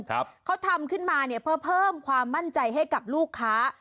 เขาทำขึ้นมาเนี่ยเพื่อเพิ่มความมั่นใจให้กับลูกค้า